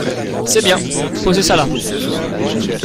C’est bien… posez ça là !